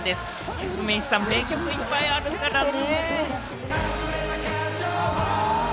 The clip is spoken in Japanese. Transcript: ケツメイシさん、名曲いっぱいあるからね。